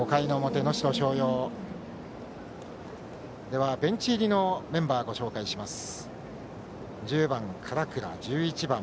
ではベンチ入りのメンバーをご紹介します。